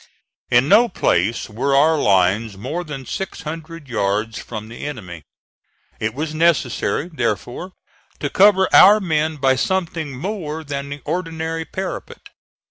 In no place were our lines more than six hundred yards from the enemy. It was necessary, therefore, to cover our men by something more than the ordinary parapet.